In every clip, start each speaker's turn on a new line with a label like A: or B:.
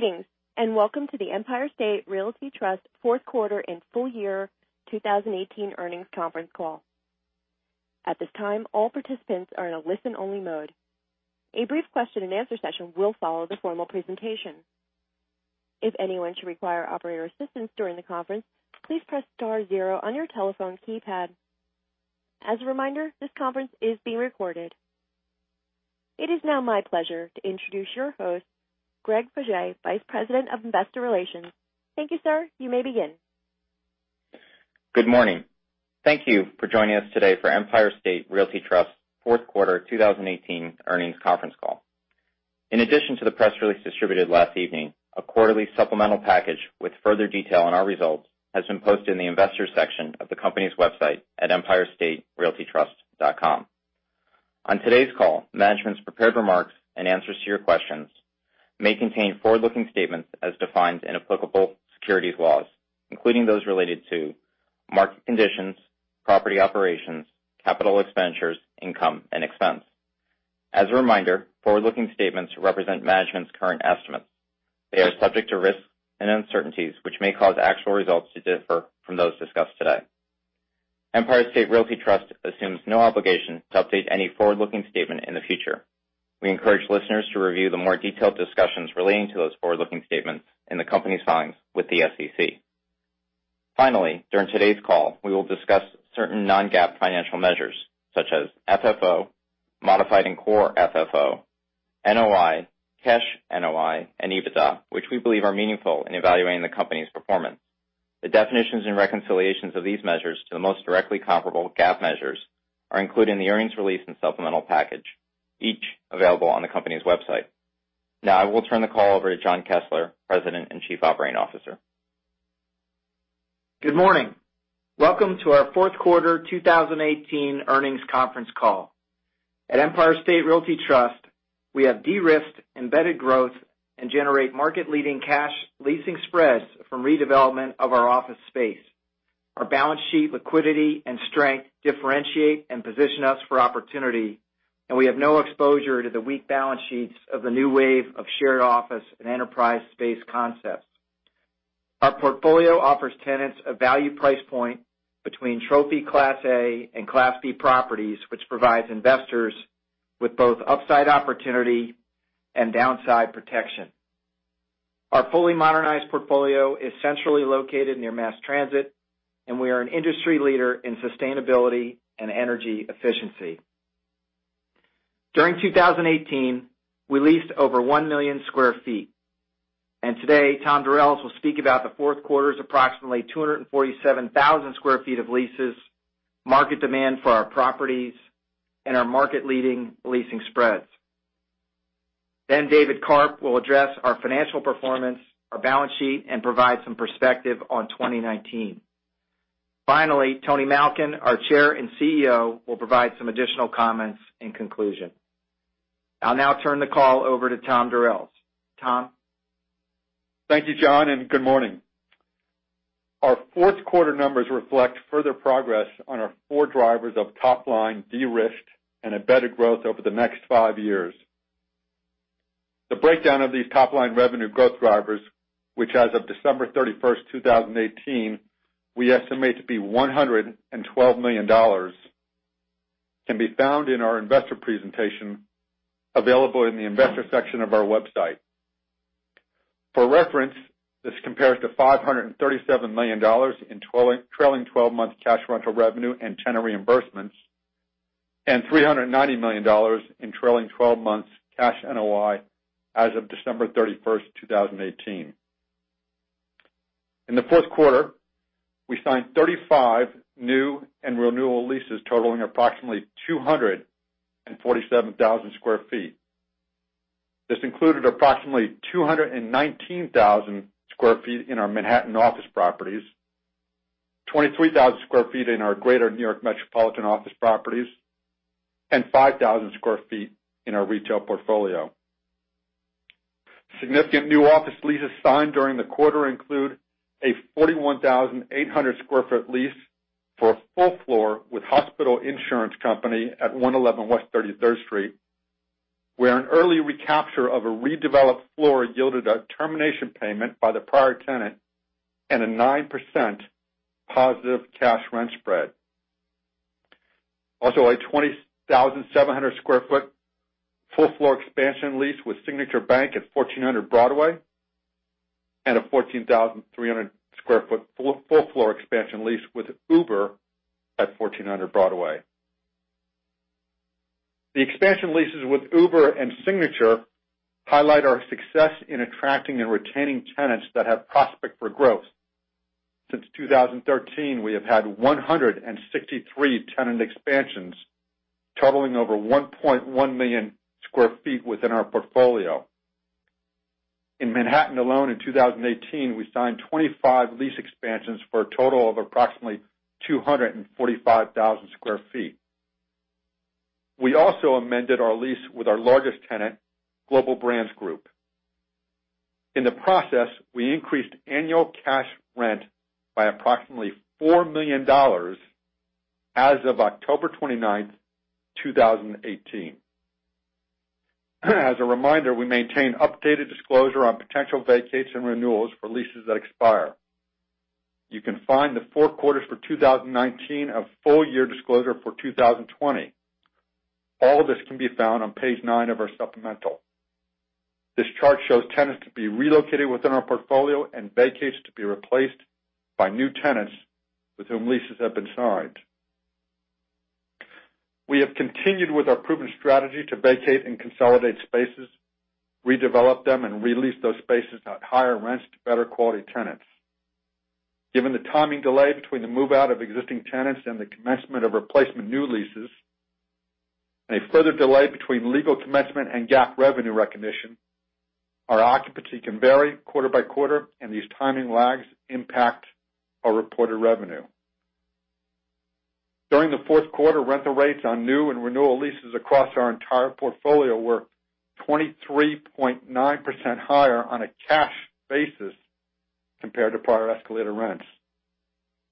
A: Greetings, welcome to the Empire State Realty Trust fourth quarter and full year 2018 earnings conference call. At this time, all participants are in a listen-only mode. A brief question and answer session will follow the formal presentation. If anyone should require operator assistance during the conference, please press star zero on your telephone keypad. As a reminder, this conference is being recorded. It is now my pleasure to introduce your host, Greg Bergey, Vice President of Investor Relations. Thank you, sir. You may begin.
B: Good morning. Thank you for joining us today for Empire State Realty Trust fourth quarter 2018 earnings conference call. In addition to the press release distributed last evening, a quarterly supplemental package with further detail on our results has been posted in the Investors section of the company's website at empirestaterealtytrust.com. On today's call, management's prepared remarks and answers to your questions may contain forward-looking statements as defined in applicable securities laws, including those related to market conditions, property operations, capital expenditures, income, and expense. As a reminder, forward-looking statements represent management's current estimates. They are subject to risks and uncertainties, which may cause actual results to differ from those discussed today. Empire State Realty Trust assumes no obligation to update any forward-looking statement in the future. We encourage listeners to review the more detailed discussions relating to those forward-looking statements in the company's filings with the SEC. Finally, during today's call, we will discuss certain non-GAAP financial measures such as FFO, modified and core FFO, NOI, cash NOI, and EBITDA, which we believe are meaningful in evaluating the company's performance. The definitions and reconciliations of these measures to the most directly comparable GAAP measures are included in the earnings release and supplemental package, each available on the company's website. Now I will turn the call over to John Kessler, President and Chief Operating Officer.
C: Good morning. Welcome to our fourth quarter 2018 earnings conference call. At Empire State Realty Trust, we have de-risked embedded growth and generate market-leading cash leasing spreads from redevelopment of our office space. Our balance sheet liquidity and strength differentiate and position us for opportunity, and we have no exposure to the weak balance sheets of the new wave of shared office and enterprise space concepts. Our portfolio offers tenants a value price point between trophy class A and class B properties, which provides investors with both upside opportunity and downside protection. Our fully modernized portfolio is centrally located near mass transit, and we are an industry leader in sustainability and energy efficiency. During 2018, we leased over one million square feet. Today, Tom Durels will speak about the fourth quarter's approximately 247,000 square feet of leases, market demand for our properties, and our market-leading leasing spreads. David Karp will address our financial performance, our balance sheet, and provide some perspective on 2019. Finally, Tony Malkin, our Chair and CEO, will provide some additional comments in conclusion. I'll now turn the call over to Tom Durels. Tom?
D: Thank you, John, and good morning. Our fourth quarter numbers reflect further progress on our four drivers of top-line de-risked and embedded growth over the next five years. The breakdown of these top-line revenue growth drivers, which as of December 31st, 2018, we estimate to be $112 million, can be found in our investor presentation available in the Investor section of our website. For reference, this compares to $537 million in trailing 12-month cash rental revenue and tenant reimbursements and $390 million in trailing 12-month cash NOI as of December 31st, 2018. In the fourth quarter, we signed 35 new and renewal leases totaling approximately 247,000 square feet. This included approximately 219,000 square feet in our Manhattan office properties, 23,000 square feet in our Greater New York metropolitan office properties, and 5,000 square feet in our retail portfolio. Significant new office leases signed during the quarter include a 41,800 square foot lease for a full floor with hospital insurance company at 111 West 33rd Street, where an early recapture of a redeveloped floor yielded a termination payment by the prior tenant and a 9% positive cash rent spread. Also, a 20,700 square foot full floor expansion lease with Signature Bank at 1400 Broadway and a 14,300 square foot full floor expansion lease with Uber at 1400 Broadway. The expansion leases with Uber and Signature highlight our success in attracting and retaining tenants that have prospect for growth. Since 2013, we have had 163 tenant expansions totaling over 1.1 million square feet within our portfolio. In Manhattan alone in 2018, we signed 25 lease expansions for a total of approximately 245,000 square feet. We also amended our lease with our largest tenant, Global Brands Group. In the process, we increased annual cash rent by approximately $4 million As of October 29th, 2018. As a reminder, we maintain updated disclosure on potential vacates and renewals for leases that expire. You can find the four quarters for 2019, a full-year disclosure for 2020. All of this can be found on page nine of our supplemental. This chart shows tenants to be relocated within our portfolio and vacates to be replaced by new tenants with whom leases have been signed. We have continued with our proven strategy to vacate and consolidate spaces, redevelop them, and re-lease those spaces at higher rents to better quality tenants. Given the timing delay between the move-out of existing tenants and the commencement of replacement new leases, and a further delay between legal commencement and GAAP revenue recognition, our occupancy can vary quarter by quarter, and these timing lags impact our reported revenue. During the fourth quarter, rental rates on new and renewal leases across our entire portfolio were 23.9% higher on a cash basis compared to prior escalated rents.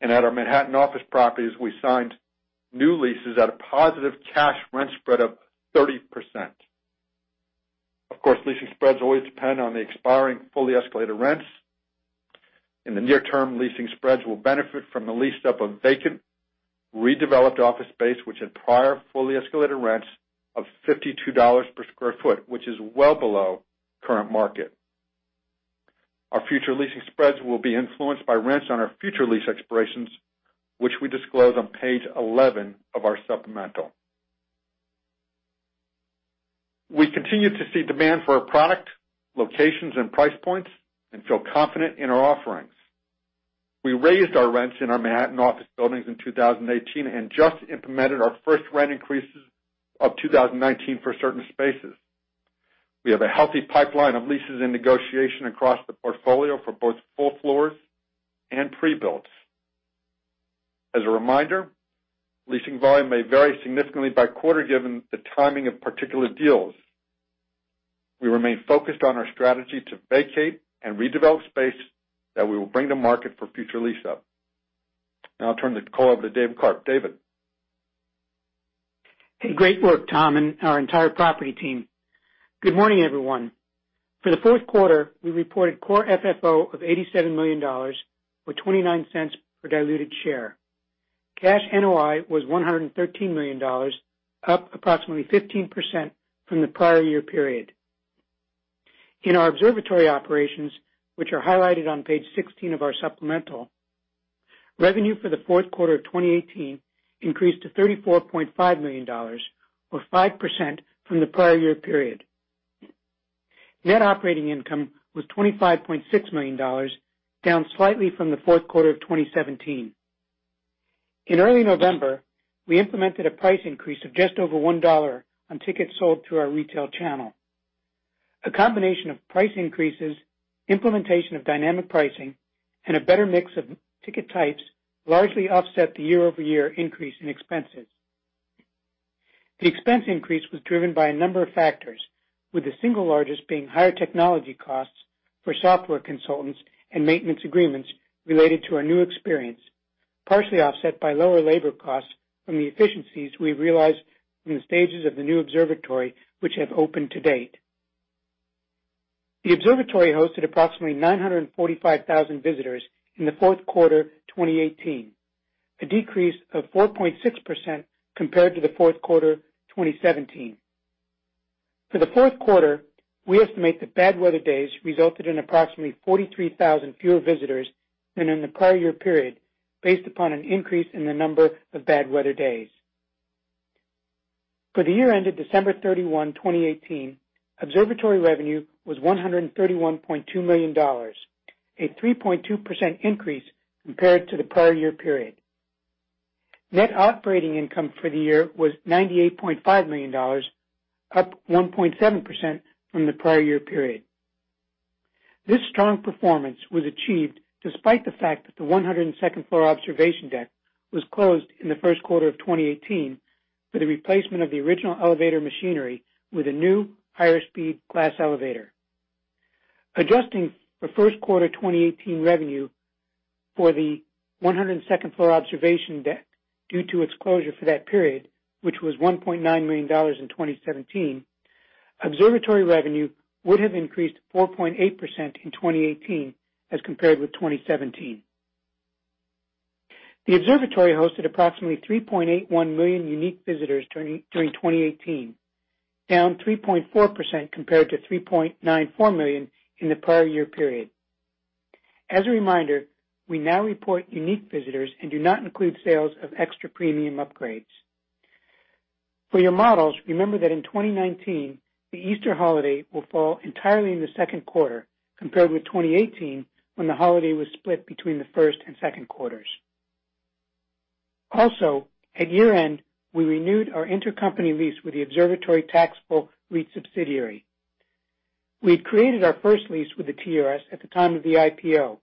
D: At our Manhattan office properties, we signed new leases at a positive cash rent spread of 30%. Of course, leasing spreads always depend on the expiring fully escalated rents. In the near term, leasing spreads will benefit from the leased up of vacant, redeveloped office space, which had prior fully escalated rents of $52 per square foot, which is well below current market. Our future leasing spreads will be influenced by rents on our future lease expirations, which we disclose on page 11 of our supplemental. We continue to see demand for our product, locations, and price points and feel confident in our offerings. We raised our rents in our Manhattan office buildings in 2018 and just implemented our first rent increases of 2019 for certain spaces. We have a healthy pipeline of leases in negotiation across the portfolio for both full floors and pre-builts. As a reminder, leasing volume may vary significantly by quarter given the timing of particular deals. We remain focused on our strategy to vacate and redevelop space that we will bring to market for future lease up. Now I'll turn the call over to David Karp. David?
E: Hey, great work, Tom, and our entire property team. Good morning, everyone. For the fourth quarter, we reported core FFO of $87 million with $0.29 per diluted share. Cash NOI was $113 million, up approximately 15% from the prior year period. In our observatory operations, which are highlighted on page 16 of our supplemental, revenue for the fourth quarter of 2018 increased to $34.5 million, or 5% from the prior year period. Net operating income was $25.6 million, down slightly from the fourth quarter of 2017. In early November, we implemented a price increase of just over $1 on tickets sold through our retail channel. A combination of price increases, implementation of dynamic pricing, and a better mix of ticket types largely offset the year-over-year increase in expenses. The expense increase was driven by a number of factors, with the single largest being higher technology costs for software consultants and maintenance agreements related to our new experience, partially offset by lower labor costs from the efficiencies we realized from the stages of the new observatory which have opened to date. The observatory hosted approximately 945,000 visitors in the fourth quarter 2018, a decrease of 4.6% compared to the fourth quarter 2017. For the fourth quarter, we estimate that bad weather days resulted in approximately 43,000 fewer visitors than in the prior year period, based upon an increase in the number of bad weather days. For the year ended December 31, 2018, observatory revenue was $131.2 million, a 3.2% increase compared to the prior year period. Net operating income for the year was $98.5 million, up 1.7% from the prior year period. This strong performance was achieved despite the fact that the 102nd floor observation deck was closed in the first quarter of 2018 for the replacement of the original elevator machinery with a new higher speed glass elevator. Adjusting for first quarter 2018 revenue for the 102nd floor observation deck due to its closure for that period, which was $1.9 million in 2017, observatory revenue would have increased 4.8% in 2018 as compared with 2017. The observatory hosted approximately 3.81 million unique visitors during 2018, down 3.4% compared to 3.94 million in the prior year period. As a reminder, we now report unique visitors and do not include sales of extra premium upgrades. For your models, remember that in 2019, the Easter holiday will fall entirely in the second quarter compared with 2018 when the holiday was split between the first and second quarters. Also, at year-end, we renewed our intercompany lease with the observatory taxable REIT subsidiary. We had created our first lease with the TRS at the time of the IPO.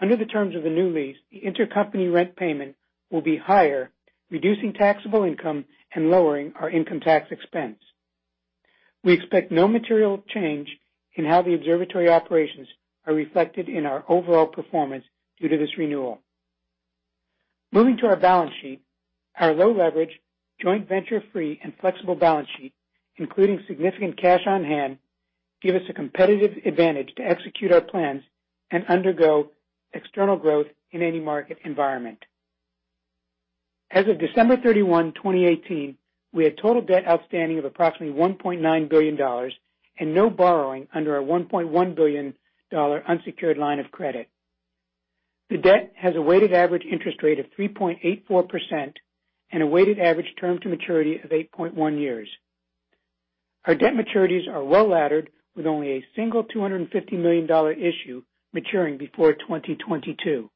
E: Under the terms of the new lease, the intercompany rent payment will be higher, reducing taxable income and lowering our income tax expense. We expect no material change in how the observatory operations are reflected in our overall performance due to this renewal. Moving to our balance sheet, our low leverage, joint venture free and flexible balance sheet, including significant cash on hand, give us a competitive advantage to execute our plans and undergo external growth in any market environment. As of December 31, 2018, we had total debt outstanding of approximately $1.9 billion and no borrowing under our $1.1 billion unsecured line of credit. The debt has a weighted average interest rate of 3.84% and a weighted average term to maturity of 8.1 years. Our debt maturities are well-laddered, with only a single $250 million issue maturing before 2022.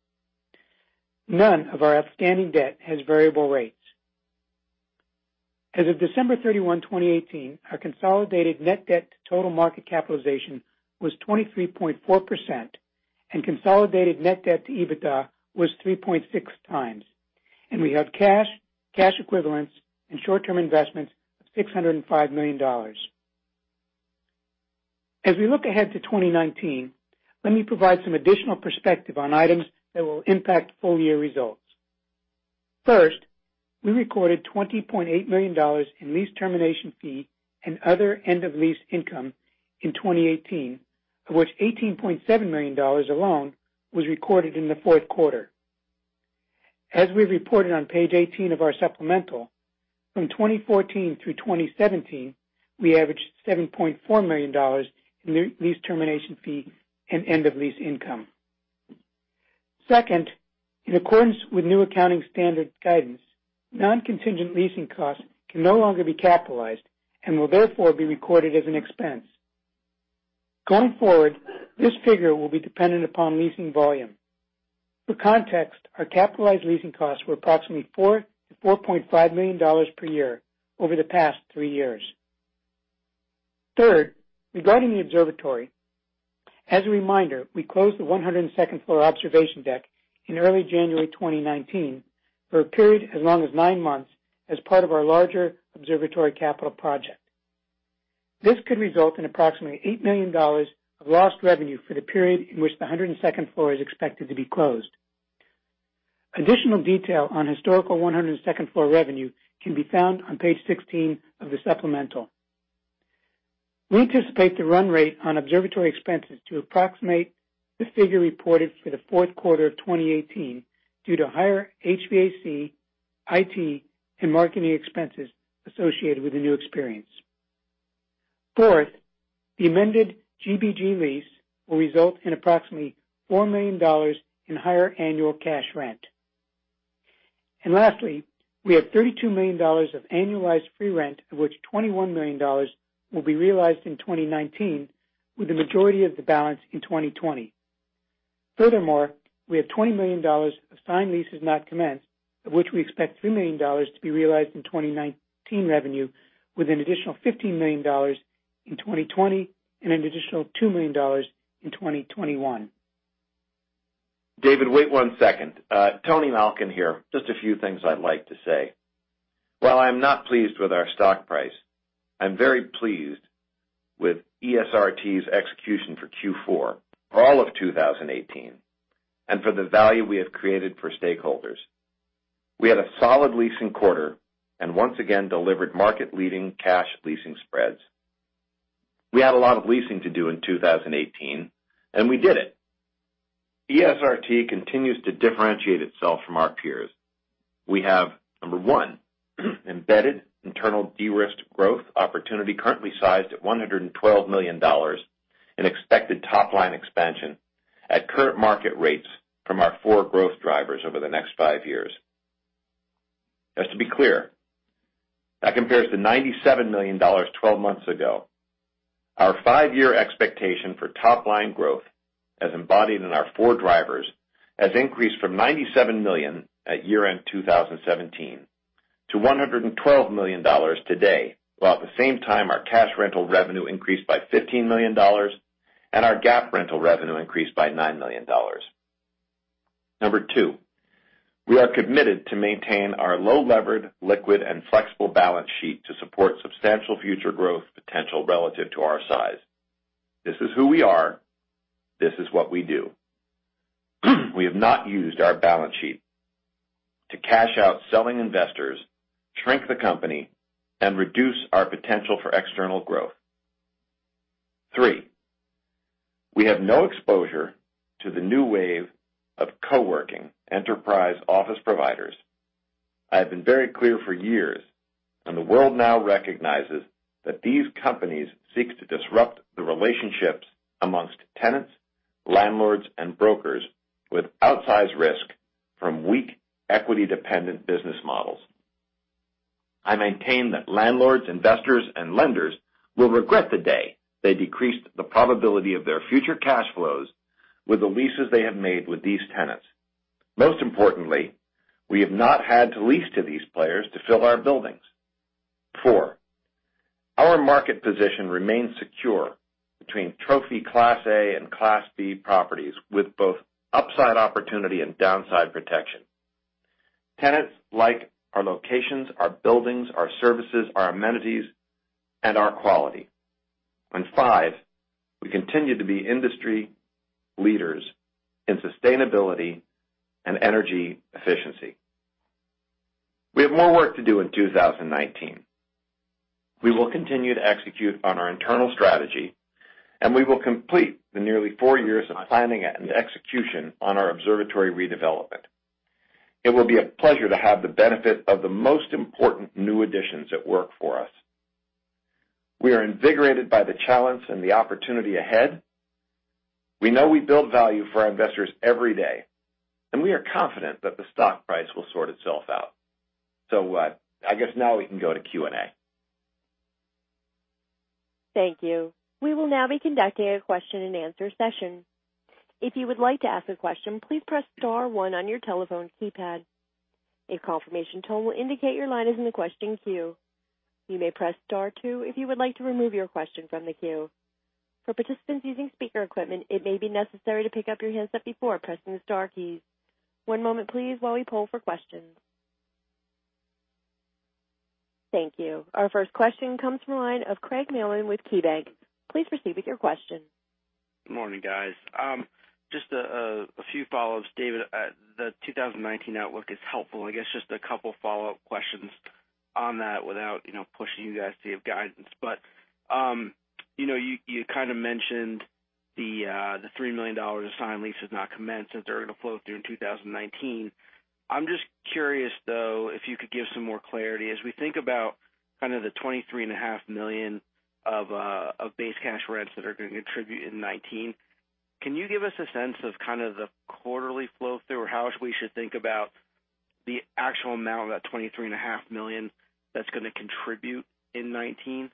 E: None of our outstanding debt has variable rates. As of December 31, 2018, our consolidated net debt to total market capitalization was 23.4% and consolidated net debt to EBITDA was 3.6 times. We have cash equivalents, and short-term investments of $605 million. As we look ahead to 2019, let me provide some additional perspective on items that will impact full year results. First, we recorded $20.8 million in lease termination fee and other end-of-lease income in 2018, of which $18.7 million alone was recorded in the fourth quarter. As we reported on page 18 of our supplemental, from 2014 through 2017, we averaged $7.4 million in lease termination fee and end-of-lease income. Second, in accordance with new accounting standard guidance, non-contingent leasing costs can no longer be capitalized and will therefore be recorded as an expense. Going forward, this figure will be dependent upon leasing volume. For context, our capitalized leasing costs were approximately $4 million-$4.5 million per year over the past three years. Third, regarding the observatory, as a reminder, we closed the 102nd floor observation deck in early January 2019 for a period as long as nine months as part of our larger observatory capital project. This could result in approximately $8 million of lost revenue for the period in which the 102nd floor is expected to be closed. Additional detail on historical 102nd floor revenue can be found on page 16 of the supplemental. We anticipate the run rate on observatory expenses to approximate the figure reported for the fourth quarter of 2018 due to higher HVAC, IT, and marketing expenses associated with the new experience. Fourth, the amended GBG lease will result in approximately $4 million in higher annual cash rent. Lastly, we have $32 million of annualized free rent, of which $21 million will be realized in 2019, with the majority of the balance in 2020. Furthermore, we have $20 million of signed leases not commenced, of which we expect $3 million to be realized in 2019 revenue, with an additional $15 million in 2020 and an additional $2 million in 2021.
F: David, wait one second. Tony Malkin here. Just a few things I'd like to say. While I am not pleased with our stock price, I'm very pleased with ESRT's execution for Q4, all of 2018, and for the value we have created for stakeholders. We had a solid leasing quarter and once again, delivered market-leading cash leasing spreads. We had a lot of leasing to do in 2018, and we did it. ESRT continues to differentiate itself from our peers. We have, number one, embedded internal de-risked growth opportunity currently sized at $112 million and expected top-line expansion at current market rates from our four growth drivers over the next five years. Just to be clear, that compares to $97 million 12 months ago. Our five-year expectation for top-line growth, as embodied in our four drivers, has increased from $97 million at year-end 2017 to $112 million today. While at the same time, our cash rental revenue increased by $15 million and our GAAP rental revenue increased by $9 million. Number two, we are committed to maintain our low levered, liquid, and flexible balance sheet to support substantial future growth potential relative to our size. This is who we are. This is what we do. We have not used our balance sheet to cash out selling investors, shrink the company, and reduce our potential for external growth. Three, we have no exposure to the new wave of co-working enterprise office providers. I have been very clear for years, and the world now recognizes that these companies seek to disrupt the relationships amongst tenants, landlords, and brokers with outsized risk from weak equity-dependent business models. I maintain that landlords, investors, and lenders will regret the day they decreased the probability of their future cash flows with the leases they have made with these tenants. Most importantly, we have not had to lease to these players to fill our buildings. Four, our market position remains secure between trophy Class A and Class B properties with both upside opportunity and downside protection. Tenants like our locations, our buildings, our services, our amenities, and our quality. Five, we continue to be industry leaders in sustainability and energy efficiency. We have more work to do in 2019. We will continue to execute on our internal strategy, and we will complete the nearly four years of planning and execution on our Observatory redevelopment. It will be a pleasure to have the benefit of the most important new additions at work for us. We are invigorated by the challenge and the opportunity ahead. We know we build value for our investors every day, and we are confident that the stock price will sort itself out. I guess now we can go to Q&A.
A: Thank you. We will now be conducting a question and answer session. If you would like to ask a question, please press star one on your telephone keypad. A confirmation tone will indicate your line is in the question queue. You may press star two if you would like to remove your question from the queue. For participants using speaker equipment, it may be necessary to pick up your handset before pressing the star keys. One moment please while we poll for questions. Thank you. Our first question comes from the line of Craig Mailman with KeyBanc. Please proceed with your question.
G: Morning, guys. Just a few follows. David, the 2019 outlook is helpful. I guess just a couple follow-up questions on that without pushing you guys to give guidance. You kind of mentioned the $3 million of signed leases not commenced that are going to flow through in 2019. I'm just curious, though, if you could give some more clarity. As we think about kind of the $23.5 million of base cash rents that are going to contribute in 2019, can you give us a sense of kind of the quarterly flow through, or how we should think about the actual amount of that $23.5 million that's going to contribute in 2019?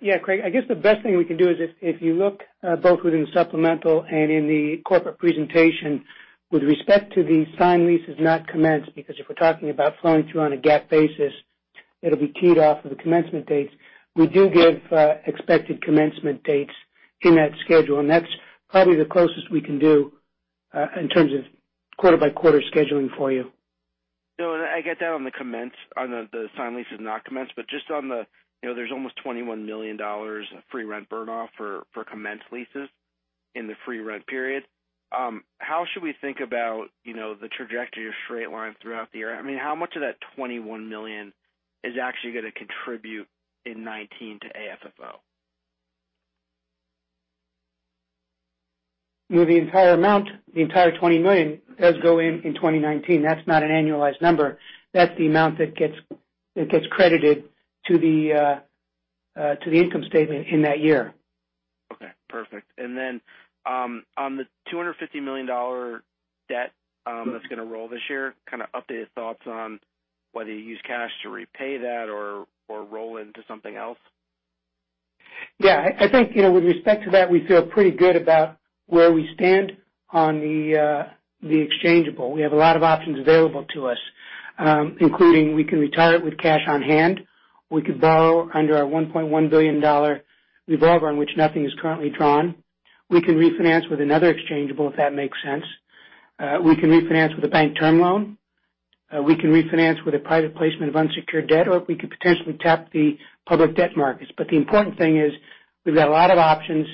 E: Yeah, Craig, I guess the best thing we can do is if you look both within the supplemental and in the corporate presentation with respect to the signed leases not commenced, because if we're talking about flowing through on a GAAP basis, it'll be keyed off of the commencement dates. We do give expected commencement dates in that schedule, and that's probably the closest we can do, in terms of quarter by quarter scheduling for you.
G: No, I get that on the signed leases not commenced. Just on the There's almost $21 million of free rent burn off for commenced leases in the free rent period. How should we think about the trajectory or straight line throughout the year? I mean, how much of that $21 million is actually going to contribute in 2019 to AFFO?
E: The entire amount, the entire $20 million, does go in in 2019. That's not an annualized number. That's the amount that gets credited to the income statement in that year.
G: Okay, perfect. Then on the $250 million debt that's going to roll this year, kind of updated thoughts on whether you use cash to repay that or roll into something else?
E: I think, with respect to that, we feel pretty good about where we stand on the exchangeable. We have a lot of options available to us, including we can retire it with cash on hand, we could borrow under our $1.1 billion revolver on which nothing is currently drawn. We can refinance with another exchangeable, if that makes sense. We can refinance with a bank term loan. We can refinance with a private placement of unsecured debt, or we could potentially tap the public debt markets. The important thing is, we've got a lot of options.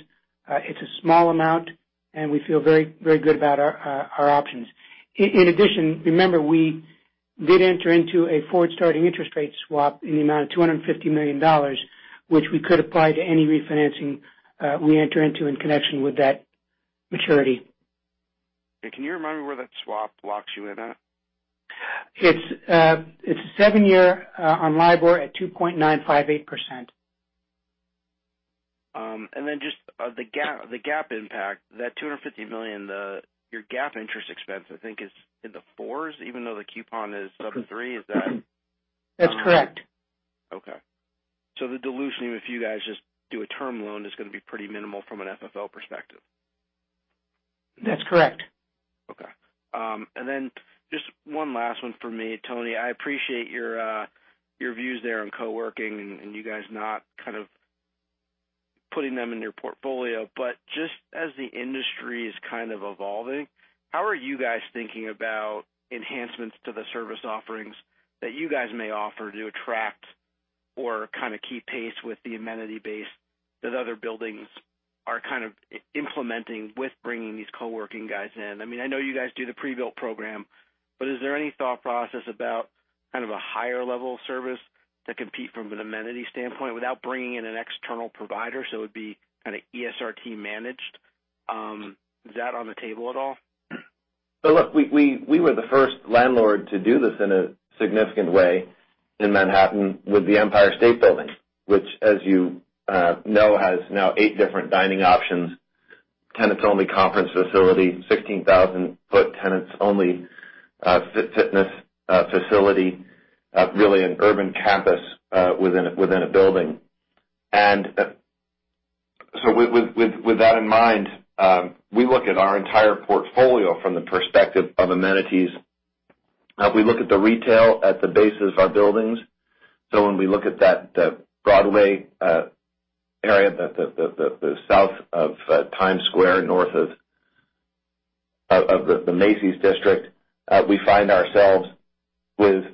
E: It's a small amount, and we feel very good about our options. In addition, remember, we did enter into a forward starting interest rate swap in the amount of $250 million, which we could apply to any refinancing we enter into in connection with that maturity.
G: Can you remind me where that swap locks you in at?
E: It's a seven-year on LIBOR at 2.958%.
G: Just the GAAP impact, that $250 million, your GAAP interest expense, I think is in the fours, even though the coupon is sub three. Is that-
E: That's correct.
G: The dilution, if you guys just do a term loan, is going to be pretty minimal from an FFO perspective.
E: That's correct.
G: Just one last one for me. Tony, I appreciate your views there on co-working and you guys not kind of putting them in your portfolio. Just as the industry is kind of evolving, how are you guys thinking about enhancements to the service offerings that you guys may offer to attract or kind of keep pace with the amenity base that other buildings are kind of implementing with bringing these co-working guys in? I mean, I know you guys do the pre-built program, but is there any thought process about kind of a higher level of service to compete from an amenity standpoint without bringing in an external provider, so it would be kind of ESRT managed? Is that on the table at all?
F: Look, we were the first landlord to do this in a significant way in Manhattan with the Empire State Building, which as you know, has now eight different dining options, tenants-only conference facility, 16,000-foot tenants-only fitness facility, really an urban campus within a building. With that in mind, we look at our entire portfolio from the perspective of amenities. Now, if we look at the retail at the base of our buildings, when we look at that Broadway area, the south of Times Square, north of the Macy's district, we find ourselves with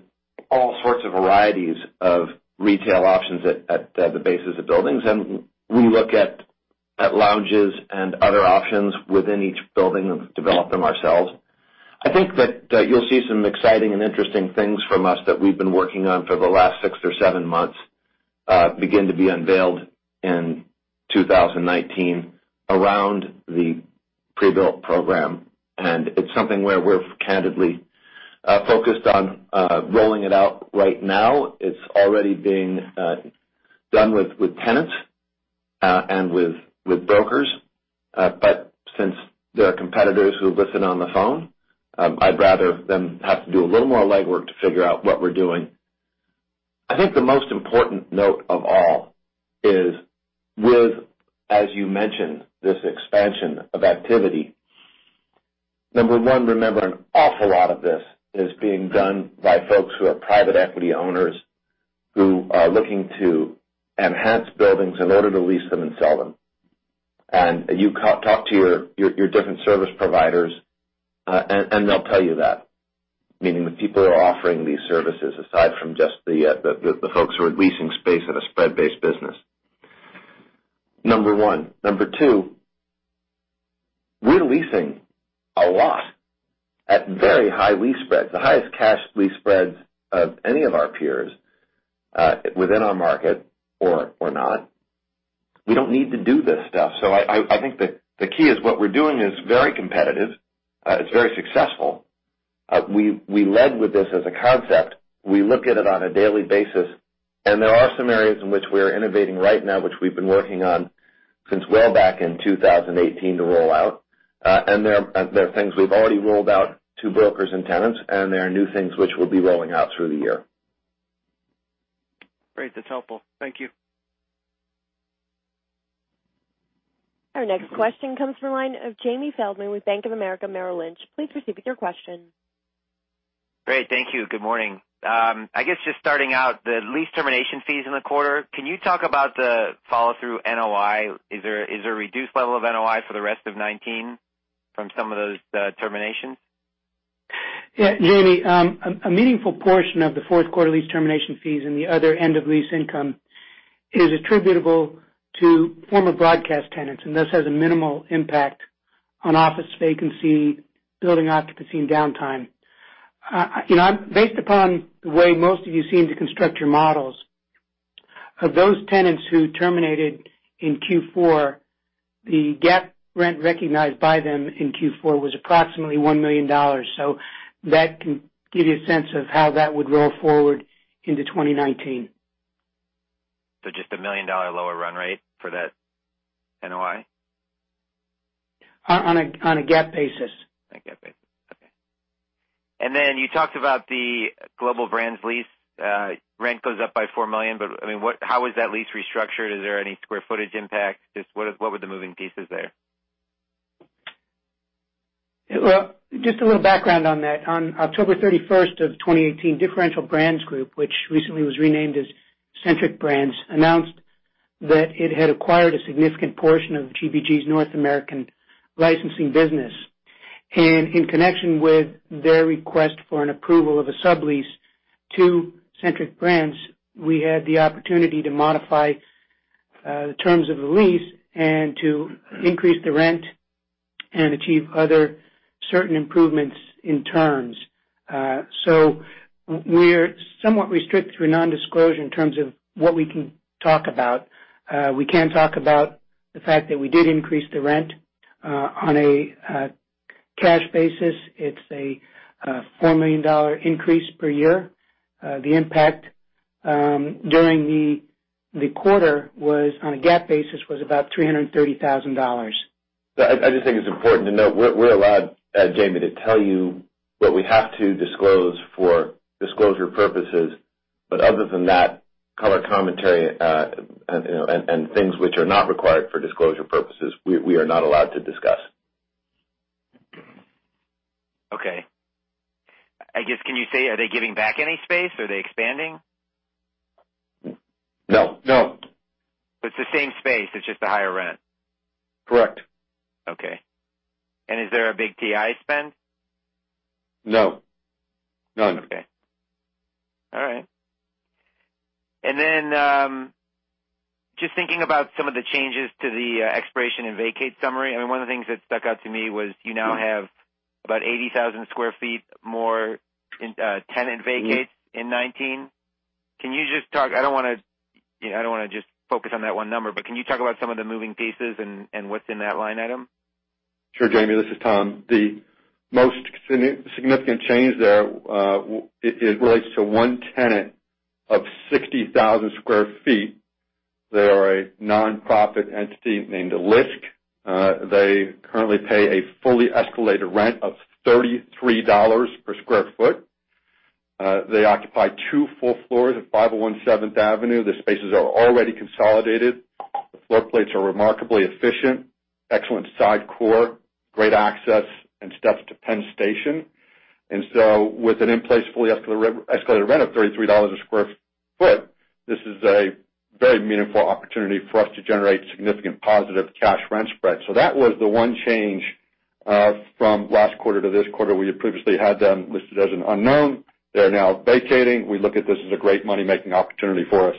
F: all sorts of varieties of retail options at the bases of buildings. We look at lounges and other options within each building and develop them ourselves. I think that you'll see some exciting and interesting things from us that we've been working on for the last six or seven months, begin to be unveiled in 2019 around the pre-built program. It's something where we're candidly focused on rolling it out right now. It's already being done with tenants and with brokers. Since there are competitors who listen on the phone, I'd rather them have to do a little more legwork to figure out what we're doing. I think the most important note of all is with, as you mentioned, this expansion of activity. Number one, remember, an awful lot of this is being done by folks who are private equity owners who are looking to enhance buildings in order to lease them and sell them. You talk to your different service providers, and they'll tell you that, meaning the people who are offering these services aside from just the folks who are leasing space at a spread-based business. Number one. Number two, we're leasing a lot at very high lease spreads, the highest cash lease spreads of any of our peers within our market or not. We don't need to do this stuff. I think that the key is what we're doing is very competitive. It's very successful. We led with this as a concept. We look at it on a daily basis, and there are some areas in which we're innovating right now, which we've been working on since well back in 2018 to roll out. There are things we've already rolled out to brokers and tenants, and there are new things which we'll be rolling out through the year.
G: Great. That's helpful. Thank you.
A: Our next question comes from the line of James Feldman with Bank of America Merrill Lynch. Please proceed with your question.
H: Great. Thank you. Good morning. I guess just starting out, the lease termination fees in the quarter, can you talk about the follow-through NOI? Is there a reduced level of NOI for the rest of 2019 from some of those terminations?
E: Yeah, Jimmy, a meaningful portion of the fourth quarter lease termination fees and the other end of lease income is attributable to former broadcast tenants, and thus has a minimal impact on office vacancy, building occupancy, and downtime. Based upon the way most of you seem to construct your models, of those tenants who terminated in Q4, the GAAP rent recognized by them in Q4 was approximately $1 million. That can give you a sense of how that would roll forward into 2019.
H: Just a million-dollar lower run rate for that NOI?
E: On a GAAP basis.
H: On GAAP basis. Okay. Then you talked about the Global Brands lease. Rent goes up by $4 million, how is that lease restructured? Is there any square footage impact? Just what were the moving pieces there?
E: Well, just a little background on that. On October 31st of 2018, Differential Brands Group, which recently was renamed as Centric Brands, announced that it had acquired a significant portion of GBG's North American licensing business. In connection with their request for an approval of a sublease to Centric Brands, we had the opportunity to modify the terms of the lease and to increase the rent and achieve other certain improvements in terms. We're somewhat restricted through non-disclosure in terms of what we can talk about. We can talk about the fact that we did increase the rent. On a cash basis, it's a $4 million increase per year. The impact during the quarter on a GAAP basis, was about $330,000.
F: I just think it's important to note, we're allowed, Jimmy, to tell you what we have to disclose for disclosure purposes. Other than that, color commentary, and things which are not required for disclosure purposes, we are not allowed to discuss.
H: Okay. I guess, can you say, are they giving back any space? Are they expanding?
F: No.
E: No.
H: It's the same space, it's just a higher rent?
F: Correct.
H: Okay. Is there a big TI spend?
F: No. None.
H: Okay. All right. Just thinking about some of the changes to the expiration and vacate summary, one of the things that stuck out to me was you now have about 80,000 square feet more in tenant vacates in 2019. Can you just talk I don't want to just focus on that one number, but can you talk about some of the moving pieces and what's in that line item?
D: Sure, Jimmy, this is Tom. The most significant change there, it relates to one tenant of 60,000 square feet. They are a non-profit entity named LISC. They currently pay a fully escalated rent of $33 per square foot. They occupy two full floors of 501 Seventh Avenue. The spaces are already consolidated. The floor plates are remarkably efficient, excellent side core, great access, and steps to Penn Station. With an in-place fully escalated rent of $33 a square foot, this is a very meaningful opportunity for us to generate significant positive cash rent spread. That was the one change from last quarter to this quarter. We had previously had them listed as an unknown. They're now vacating. We look at this as a great money-making opportunity for us.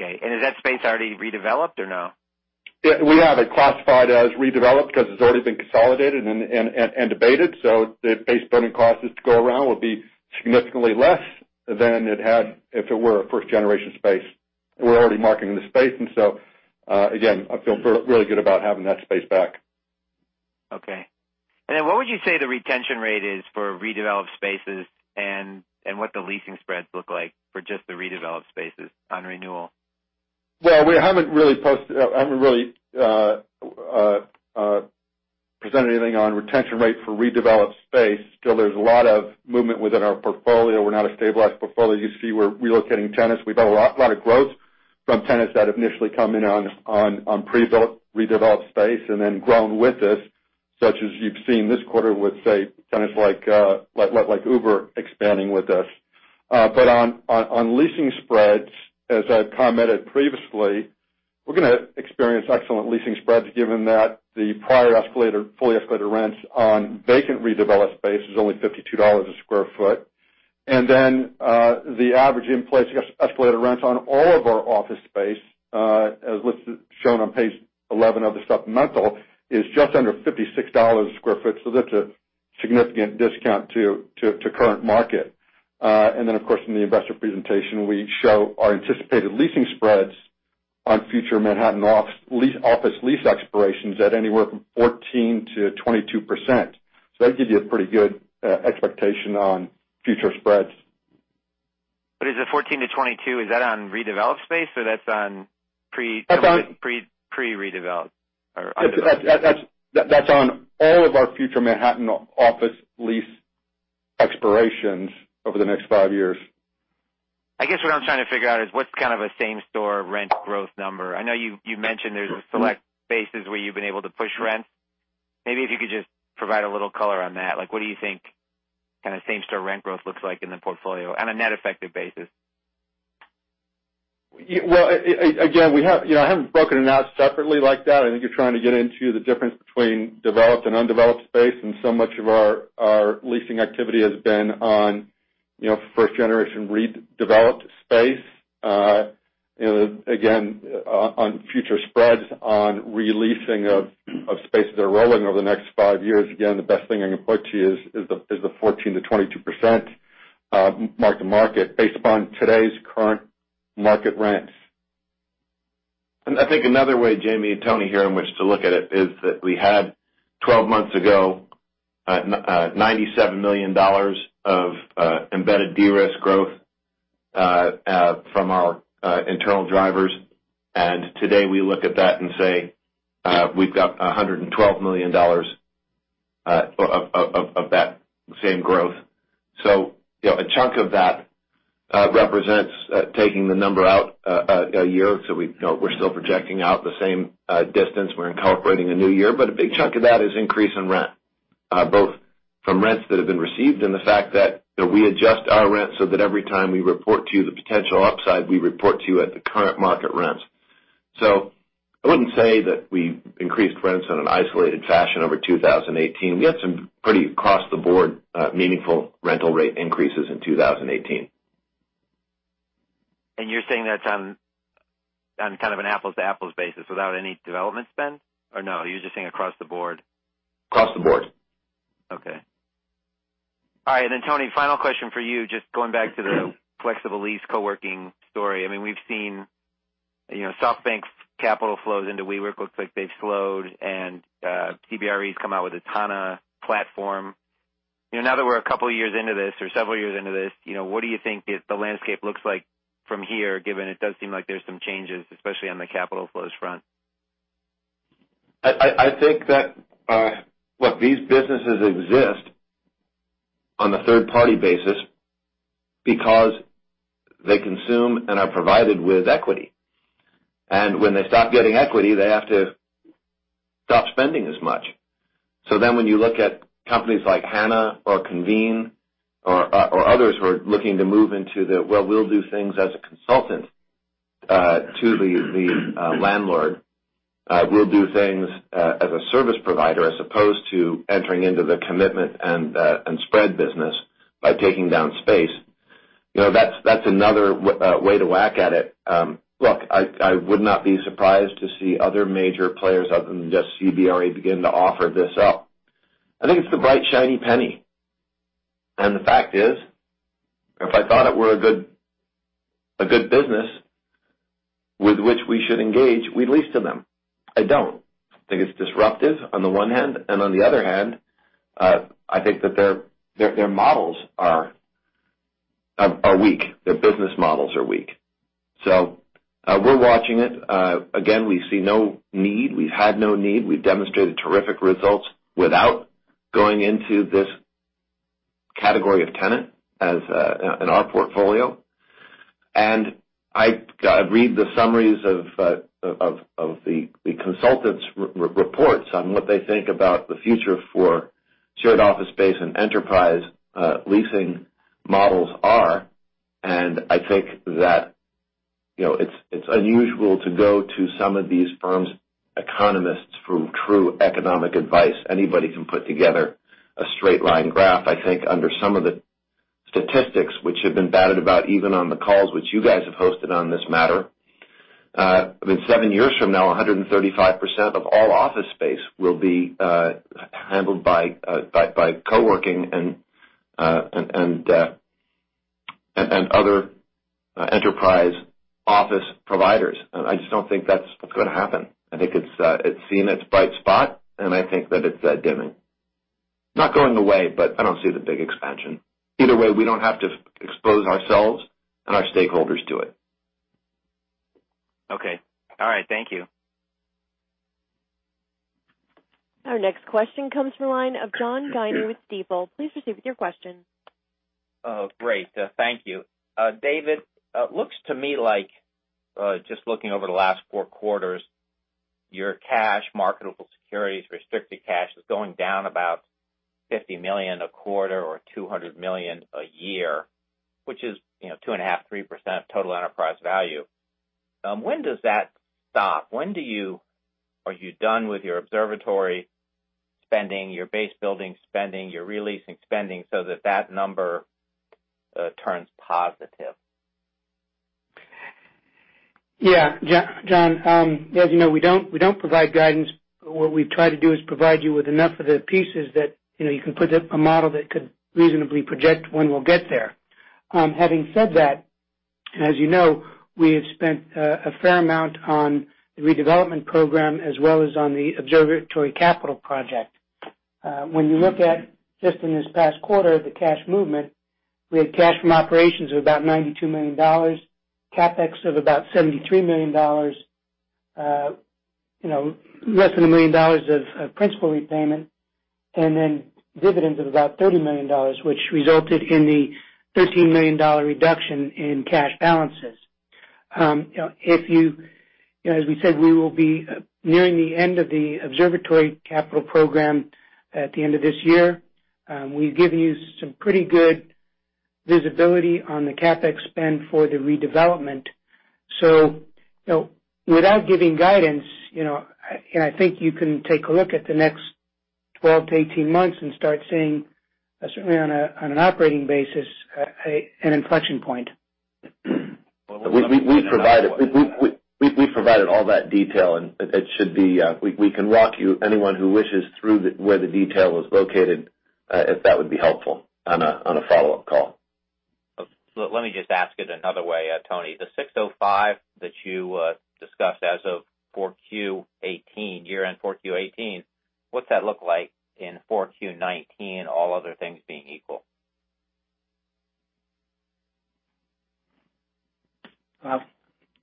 H: Okay. Is that space already redeveloped or no?
D: Yeah. We have it classified as redeveloped because it's already been consolidated and debated, the base building costs to go around will be significantly less than it had if it were a first-generation space. We're already marketing the space, again, I feel really good about having that space back.
H: Okay. What would you say the retention rate is for redeveloped spaces, what the leasing spreads look like for just the redeveloped spaces on renewal?
D: Well, we haven't really presented anything on retention rate for redeveloped space. Still, there's a lot of movement within our portfolio. We're not a stabilized portfolio. You see we're relocating tenants. We've had a lot of growth from tenants that have initially come in on pre-built, redeveloped space and then grown with us, such as you've seen this quarter with, say, tenants like Uber expanding with us. On leasing spreads, as I've commented previously, we're going to experience excellent leasing spreads given that the prior fully escalated rents on vacant redeveloped space is only $52 a square foot. The average in-place escalated rents on all of our office space, as shown on page 11 of the supplemental, is just under $56 a square foot, that's a significant discount to current market. Of course, in the investor presentation, we show our anticipated leasing spreads on future Manhattan office lease expirations at anywhere from 14%-22%. That gives you a pretty good expectation on future spreads.
H: Is the 14%-22%, is that on redeveloped space, or that's on-
D: That's on-
H: Pre-redeveloped or undeveloped?
D: That's on all of our future Manhattan office lease expirations over the next five years.
H: I guess what I'm trying to figure out is what's kind of a same-store rent growth number. I know you mentioned there's select spaces where you've been able to push rents. Maybe if you could just provide a little color on that, like what do you think kind of same-store rent growth looks like in the portfolio on a net effective basis?
D: Well, again, I haven't broken it out separately like that. I think you're trying to get into the difference between developed and undeveloped space, and so much of our leasing activity has been on first-generation redeveloped space. Again, on future spreads on re-leasing of spaces that are rolling over the next 5 years, again, the best thing I can point to you is the 14%-22% mark-to-market based upon today's current market rents.
F: I think another way, Jimmy and Tony, here in which to look at it is that we had, 12 months ago, $97 million of embedded de-risk growth from our internal drivers. Today, we look at that and say we've got $112 million of that same growth. A chunk of that represents taking the number out a year, so we're still projecting out the same distance. We're incorporating a new year. A big chunk of that is increase in rent, both from rents that have been received and the fact that we adjust our rent so that every time we report to you the potential upside, we report to you at the current market rents. I wouldn't say that we increased rents in an isolated fashion over 2018. We had some pretty across-the-board, meaningful rental rate increases in 2018.
H: You're saying that's on kind of an apples-to-apples basis without any development spend, or no, are you just saying across the board?
F: Across the board.
H: Okay. All right. Tony, final question for you, just going back to the flexible lease co-working story. I mean, we've seen SoftBank's capital flows into WeWork. Looks like they've slowed, CBRE's come out with a ton of platform. Now that we're a couple of years into this or several years into this, what do you think the landscape looks like from here, given it does seem like there's some changes, especially on the capital flows front?
F: I think that, look, these businesses exist on a third-party basis because they consume and are provided with equity. When they stop getting equity, they have to stop spending as much. When you look at companies like Hana or Convene or others who are looking to move into the, well, we'll do things as a consultant to the landlord. We'll do things as a service provider as opposed to entering into the commitment and spread business by taking down space. That's another way to whack at it. Look, I would not be surprised to see other major players other than just CBRE begin to offer this up. I think it's the bright, shiny penny. The fact is, if I thought it were a good business with which we should engage, we'd lease to them. I don't. I think it's disruptive on the one hand, and on the other hand, I think that their models are weak. Their business models are weak. We're watching it. Again, we see no need. We've had no need. We've demonstrated terrific results without going into this category of tenant in our portfolio. I read the summaries of the consultants' reports on what they think about the future for shared office space and enterprise leasing models are. I think that it's unusual to go to some of these firms' economists for true economic advice. Anybody can put together a straight-line graph. I think under some of the statistics which have been batted about, even on the calls which you guys have hosted on this matter. That seven years from now, 135% of all office space will be handled by co-working and other enterprise office providers. I just don't think that's going to happen. I think it's seen its bright spot, and I think that it's dimming. Not going away, but I don't see the big expansion. Either way, we don't have to expose ourselves and our stakeholders to it.
H: Okay. All right. Thank you.
A: Our next question comes from the line of John Guinee with Stifel. Please proceed with your question.
I: Oh, great. Thank you. David, looks to me like, just looking over the last four quarters, your cash marketable securities restricted cash is going down about $50 million a quarter or $200 million a year, which is 2.5%, 3% total enterprise value. When does that stop? When are you done with your Observatory spending, your base building spending, your re-leasing spending, so that that number turns positive?
E: Yeah. John, as you know, we don't provide guidance. What we try to do is provide you with enough of the pieces that you can put a model that could reasonably project when we'll get there. Having said that, as you know, we have spent a fair amount on the redevelopment program as well as on the Observatory capital project. When you look at just in this past quarter, the cash movement, we had cash from operations of about $92 million, CapEx of about $73 million, less than a million dollars of principal repayment, and then dividends of about $30 million, which resulted in the $13 million reduction in cash balances. As we said, we will be nearing the end of the Observatory capital program at the end of this year. We've given you some pretty good visibility on the CapEx spend for the redevelopment. Without giving guidance, I think you can take a look at the next 12 to 18 months and start seeing, certainly on an operating basis, an inflection point.
F: We provided all that detail, we can walk you, anyone who wishes, through where the detail is located, if that would be helpful on a follow-up call.
I: Let me just ask it another way, Tony. The 605 that you discussed as of 4Q 2018, year-end 4Q 2018, what's that look like in 4Q 2019, all other things being equal?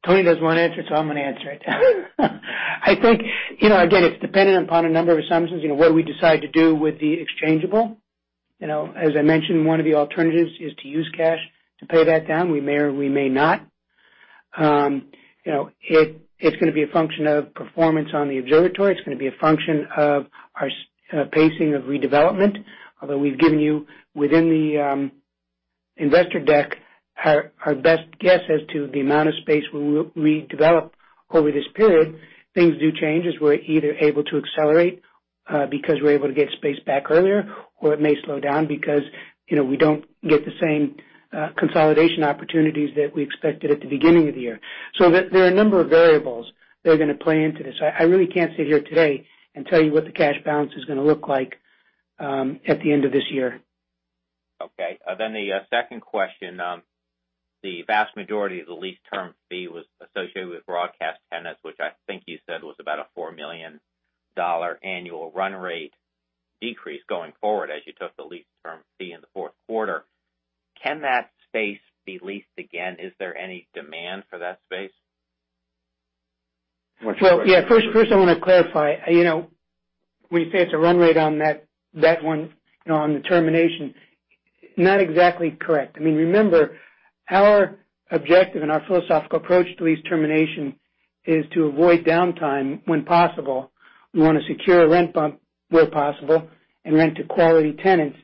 E: Tony doesn't want to answer, I'm going to answer it. I think, again, it's dependent upon a number of assumptions. What do we decide to do with the exchangeable? As I mentioned, one of the alternatives is to use cash to pay that down. We may or we may not. It's going to be a function of performance on the Observatory. It's going to be a function of our pacing of redevelopment. Although we've given you, within the investor deck, our best guess as to the amount of space we will redevelop over this period. Things do change as we're either able to accelerate because we're able to get space back earlier, or it may slow down because we don't get the same consolidation opportunities that we expected at the beginning of the year. There are a number of variables that are going to play into this. I really can't sit here today and tell you what the cash balance is going to look like at the end of this year.
I: Okay. The second question. The vast majority of the lease term fee was associated with broadcast tenants, which I think you said was about a $4 million annual run rate decrease going forward as you took the lease term fee in the fourth quarter. Can that space be leased again? Is there any demand for that space?
E: Well, yeah. First, I want to clarify. When you say it's a run rate on that one, on the termination, not exactly correct. Remember, our objective and our philosophical approach to lease termination is to avoid downtime when possible. We want to secure a rent bump where possible and rent to quality tenants.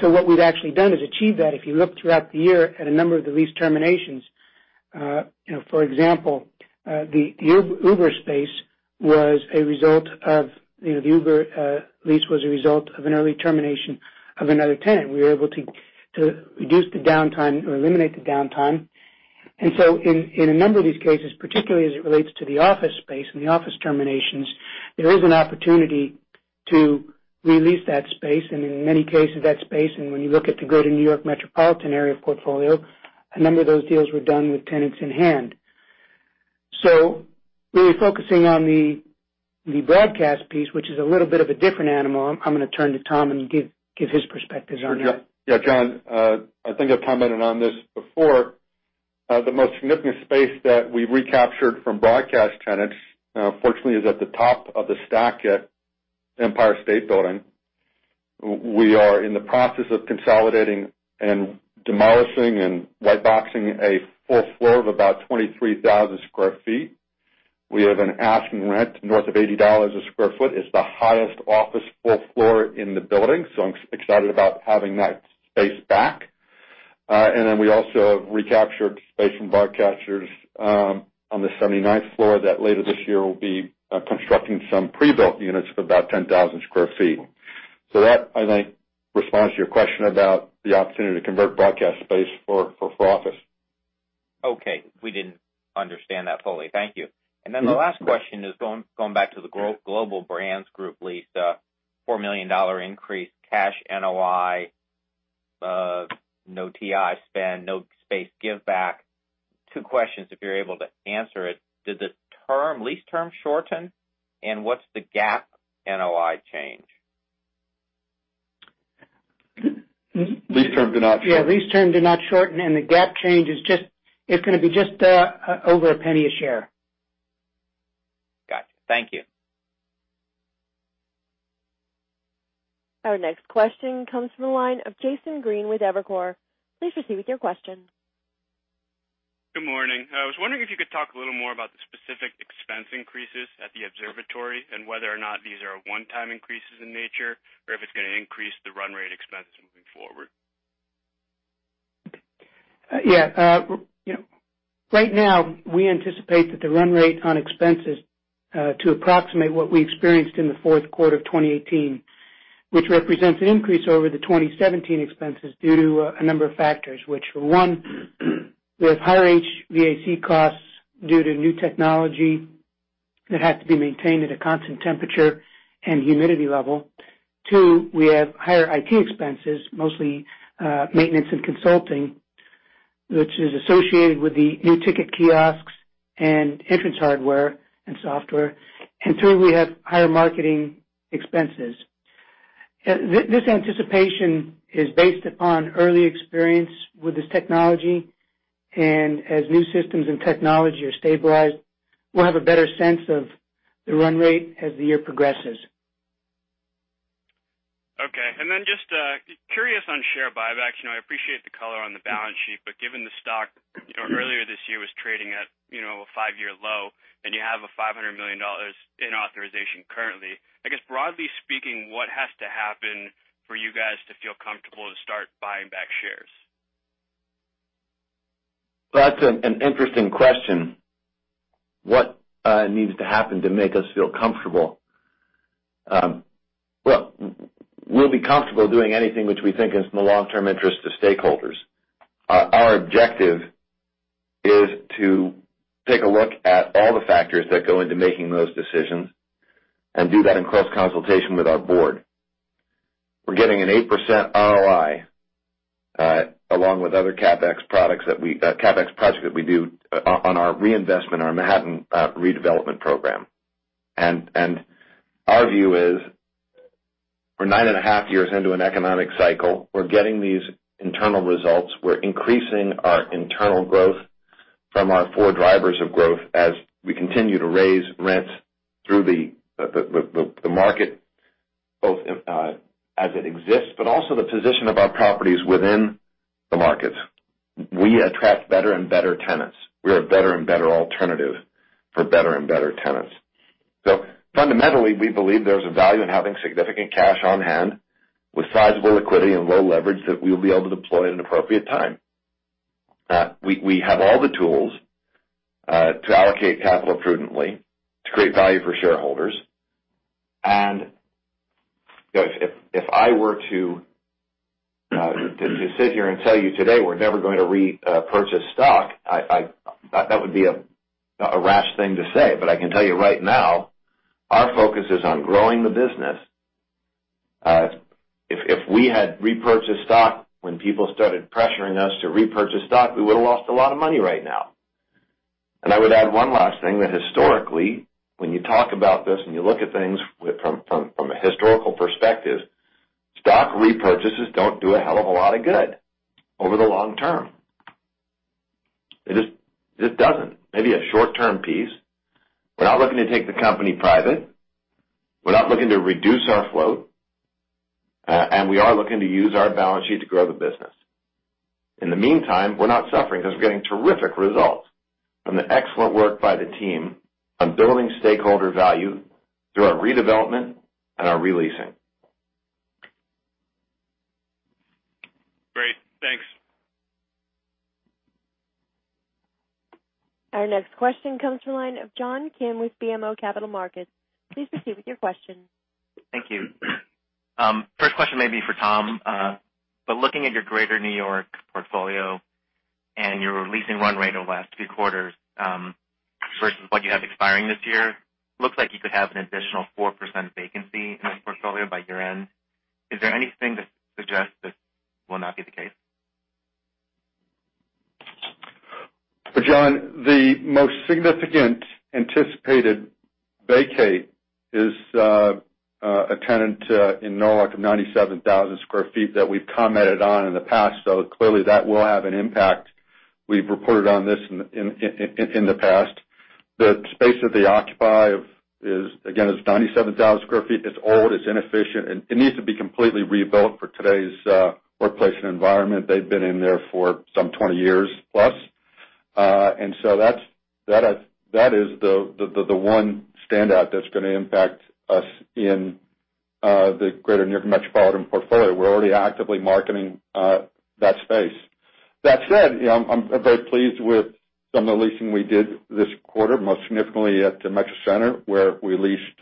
E: What we've actually done is achieve that. If you look throughout the year at a number of the lease terminations. For example, the Uber lease was a result of an early termination of another tenant. We were able to reduce the downtime or eliminate the downtime. In a number of these cases, particularly as it relates to the office space and the office terminations, there is an opportunity to release that space, and in many cases, that space, and when you look at the greater New York metropolitan area portfolio, a number of those deals were done with tenants in hand. When we're focusing on the broadcast piece, which is a little bit of a different animal, I'm going to turn to Tom and give his perspectives on that.
F: Yeah, John. I think I've commented on this before
D: The most significant space that we recaptured from broadcast tenants, fortunately, is at the top of the stack at Empire State Building. We are in the process of consolidating and demolishing and white boxing a full floor of about 23,000 sq ft. We have an asking rent north of $80 a sq ft. It's the highest office full floor in the building, so I'm excited about having that space back. Then we also recaptured space from broadcasters on the 79th floor that later this year will be constructing some pre-built units of about 10,000 sq ft. That, I think, responds to your question about the opportunity to convert broadcast space for office.
I: Okay. We didn't understand that fully. Thank you. The last question is going back to the Global Brands Group lease, a $4 million increase, cash NOI, no TI spend, no space give back. 2 questions if you're able to answer it. Did the lease term shorten? And what's the GAAP NOI change?
D: Lease terms did not shorten. Yeah, lease terms did not shorten, the GAAP change is going to be just over $0.01 a share.
I: Got you. Thank you.
A: Our next question comes from the line of Jason Green with Evercore. Please proceed with your question.
J: Good morning. I was wondering if you could talk a little more about the specific expense increases at the Observatory and whether or not these are one-time increases in nature or if it's going to increase the run rate expense moving forward.
E: Yeah. Right now, we anticipate that the run rate on expenses to approximate what we experienced in the fourth quarter of 2018, which represents an increase over the 2017 expenses due to a number of factors, which were: One, we have higher HVAC costs due to new technology that has to be maintained at a constant temperature and humidity level. Two, we have higher IT expenses, mostly maintenance and consulting, which is associated with the new ticket kiosks and entrance hardware and software. Two, we have higher marketing expenses. This anticipation is based upon early experience with this technology, and as new systems and technology are stabilized, we'll have a better sense of the run rate as the year progresses.
J: Okay. Then just curious on share buybacks. I appreciate the color on the balance sheet, but given the stock earlier this year was trading at a five-year low and you have a $500 million in authorization currently, I guess, broadly speaking, what has to happen for you guys to feel comfortable to start buying back shares?
F: That's an interesting question. What needs to happen to make us feel comfortable? Well, we'll be comfortable doing anything which we think is in the long-term interest of stakeholders. Our objective is to take a look at all the factors that go into making those decisions and do that in close consultation with our board. We're getting an 8% ROI, along with other CapEx project that we do on our reinvestment, our Manhattan redevelopment program. Our view is we're nine and a half years into an economic cycle. We're getting these internal results. We're increasing our internal growth from our four drivers of growth as we continue to raise rents through the market, both as it exists, but also the position of our properties within the markets. We attract better and better tenants. We're a better and better alternative for better and better tenants. Fundamentally, we believe there's a value in having significant cash on hand with sizable liquidity and low leverage that we will be able to deploy at an appropriate time. We have all the tools to allocate capital prudently, to create value for shareholders. If I were to sit here and tell you today we're never going to repurchase stock, that would be a rash thing to say. I can tell you right now, our focus is on growing the business. If we had repurchased stock when people started pressuring us to repurchase stock, we would have lost a lot of money right now. I would add one last thing, that historically, when you talk about this and you look at things from a historical perspective, stock repurchases don't do a hell of a lot of good over the long term. It just doesn't. Maybe a short-term piece. We're not looking to take the company private, we're not looking to reduce our float, we are looking to use our balance sheet to grow the business. In the meantime, we're not suffering because we're getting terrific results from the excellent work by the team on building stakeholder value through our redevelopment and our releasing.
J: Great. Thanks.
A: Our next question comes from the line of John Kim with BMO Capital Markets. Please proceed with your question.
K: Thank you. First question may be for Tom. Looking at your Greater New York portfolio and your leasing run rate over the last few quarters versus what you have expiring this year, looks like you could have an additional 4% vacancy in the portfolio by year-end. Is there anything to suggest this will not be the case?
D: John, the most significant anticipated vacate is a tenant in Norwalk of 97,000 sq ft that we've commented on in the past, clearly that will have an impact. We've reported on this in the past. The space that they occupy is, again, is 97,000 sq ft. It's old, it's inefficient, and it needs to be completely rebuilt for today's workplace and environment. They've been in there for some 20 years plus. That is the one standout that's going to impact us in the greater New York Metropolitan portfolio. We're already actively marketing that space. That said, I'm very pleased with some of the leasing we did this quarter, most significantly at Metro Center, where we leased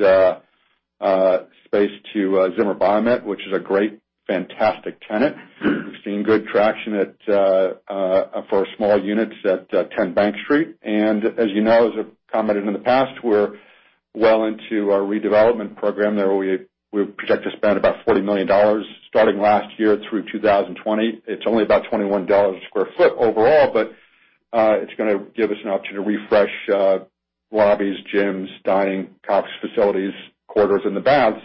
D: space to Zimmer Biomet, which is a great, fantastic tenant. We've seen good traction for our small units at 10 Bank Street. As you know, as I've commented in the past, we're well into our redevelopment program there. We project to spend about $40 million starting last year through 2020. It's only about $21 a sq ft overall, it's going to give us an opportunity to refresh lobbies, gyms, dining, conference facilities, corridors and the baths,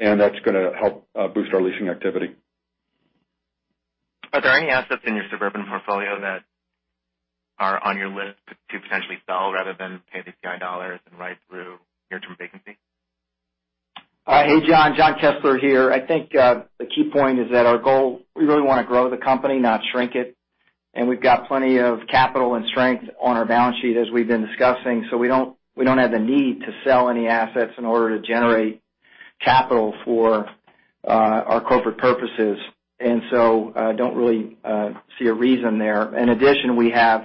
D: that's going to help boost our leasing activity.
K: Are there any assets in your suburban portfolio that are on your list to potentially sell rather than pay the sky dollars and ride through near-term vacancy?
C: Hey, John. John Kessler here. I think the key point is that our goal, we really want to grow the company, not shrink it. We've got plenty of capital and strength on our balance sheet, as we've been discussing. We don't have the need to sell any assets in order to generate capital for our corporate purposes. Don't really see a reason there. In addition, we have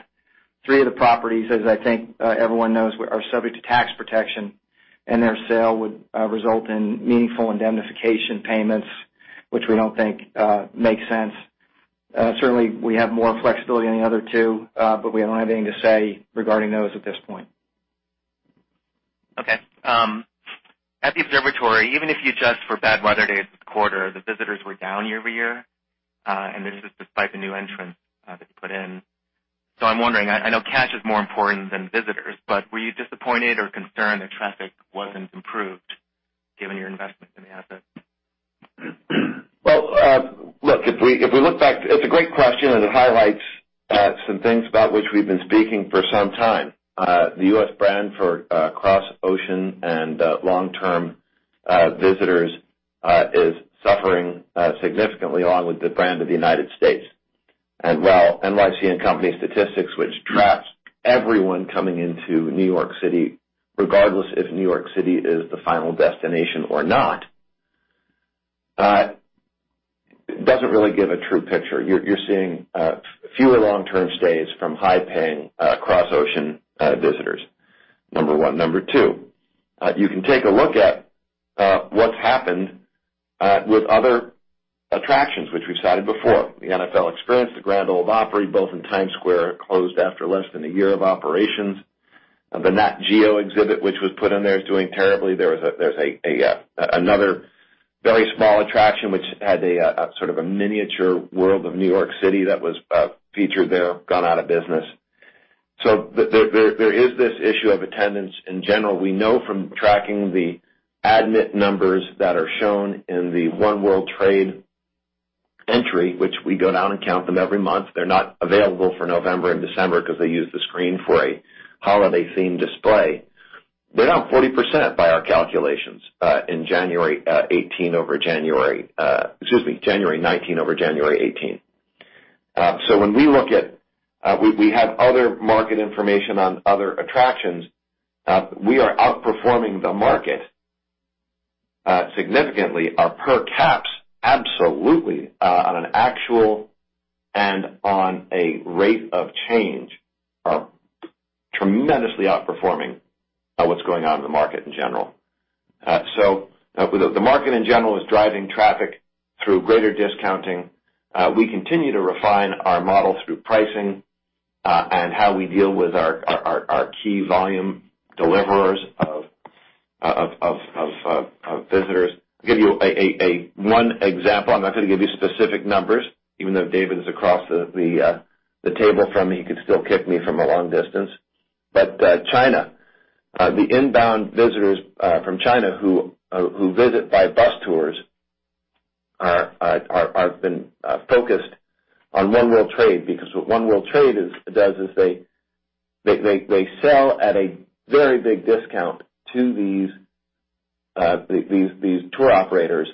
C: three of the properties, as I think everyone knows, are subject to tax protection, and their sale would result in meaningful indemnification payments, which we don't think make sense. Certainly, we have more flexibility in the other two, but we don't have anything to say regarding those at this point.
K: Okay. At the Observatory, even if you adjust for bad weather days this quarter, the visitors were down year-over-year, and this is despite the new entrance that you put in. I'm wondering, I know cash is more important than visitors, but were you disappointed or concerned that traffic wasn't improved given your investment in the asset?
F: Well, look, it's a great question, and it highlights some things about which we've been speaking for some time. The U.S. brand for cross-ocean and long-term visitors is suffering significantly, along with the brand of the United States. While NYC & Company statistics, which tracks everyone coming into New York City, regardless if New York City is the final destination or not, doesn't really give a true picture. You're seeing fewer long-term stays from high-paying cross-ocean visitors, number 1. Number 2, you can take a look at what's happened with other attractions, which we've cited before. The NFL Experience, the Grand Ole Opry, both in Times Square, closed after less than one year of operations. The Nat Geo exhibit, which was put in there, is doing terribly.
D: There's another very small attraction, which had a sort of a miniature world of New York City that was featured there, gone out of business. There is this issue of attendance in general. We know from tracking the admit numbers that are shown in the One World Trade entry, which we go down and count them every month. They're not available for November and December because they use the screen for a holiday-themed display. They're down 40% by our calculations in January 2018 over January. Excuse me, January 2019 over January 2018. When we look at, we have other market information on other attractions. We are outperforming the market significantly. Our per caps, absolutely, on an actual and on a rate of change, are tremendously outperforming what's going on in the market in general. The market, in general, is driving traffic through greater discounting. China, the inbound visitors from China who visit by bus tours have been focused on One World Trade, because what One World Trade does is they sell at a very big discount to these tour operators,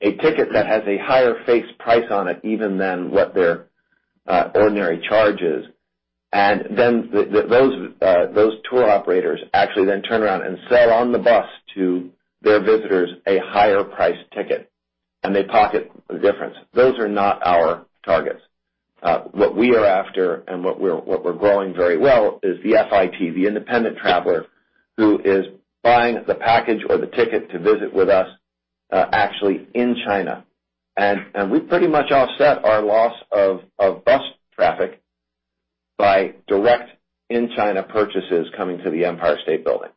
D: a ticket that has a higher face price on it even than what their ordinary charge is. Those tour operators actually then turn around and sell on the bus to their visitors a higher priced ticket, and they pocket the difference. Those are not our targets. What we are after and what we're growing very well is the FIT, the independent traveler, who is buying the package or the ticket to visit with us actually in China. We pretty much offset our loss of bus traffic by direct in-China purchases coming to the Empire State Building.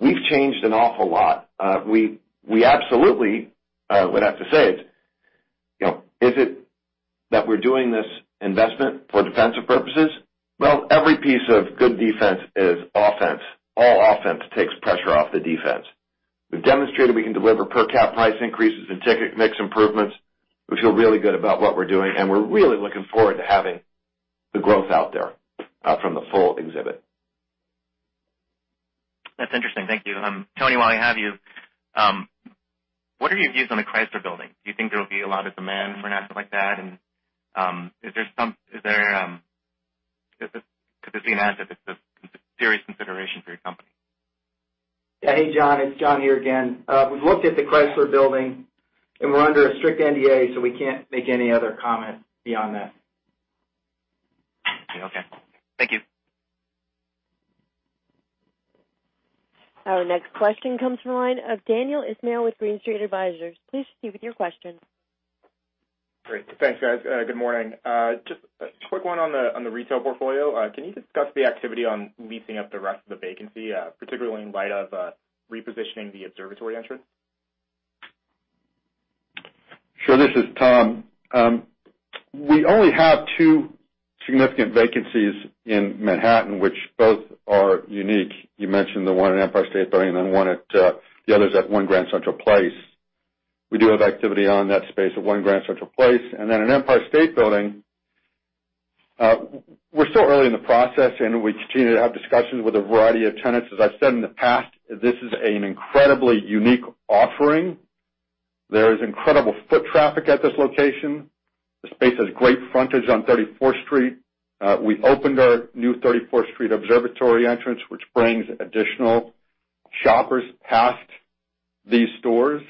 D: We've changed an awful lot. We absolutely would have to say it's
F: Is it that we're doing this investment for defensive purposes? Well, every piece of good defense is offense. All offense takes pressure off the defense. We've demonstrated we can deliver per cap price increases and ticket mix improvements. We feel really good about what we're doing, and we're really looking forward to having the growth out there from the full exhibit.
K: That's interesting. Thank you. Tony, while I have you, what are your views on the Chrysler Building? Could this be an asset that's a serious consideration for your company?
C: Yeah. Hey, John, it's John here again. We've looked at the Chrysler Building, and we're under a strict NDA, so we can't make any other comment beyond that.
K: Okay. Thank you.
A: Our next question comes from the line of Daniel Ismail with Green Street Advisors. Please proceed with your question.
L: Great. Thanks, guys. Good morning. Just a quick one on the retail portfolio. Can you discuss the activity on leasing up the rest of the vacancy, particularly in light of repositioning the Observatory entrance?
D: Sure. This is Tom. We only have two significant vacancies in Manhattan, which both are unique. You mentioned the one in Empire State Building and the other's at One Grand Central Place. We do have activity on that space at One Grand Central Place. In Empire State Building, we're still early in the process, and we continue to have discussions with a variety of tenants. As I've said in the past, this is an incredibly unique offering. There's incredible foot traffic at this location. The space has great frontage on 34th Street. We opened our new 34th Street observatory entrance, which brings additional shoppers past these stores.